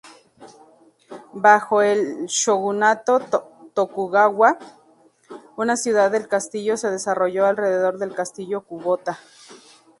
Bajo el shogunato Tokugawa, una ciudad del castillo se desarrolló alrededor del castillo Kubota.